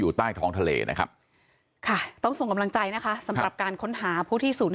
อยู่ใต้ท้องทะเลนะครับ